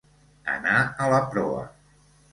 Anar a la proa.